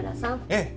ええ。